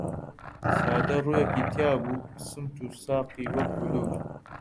سادە ڕووویەکی تیا بوو، سمت و ساقی وەک بلوور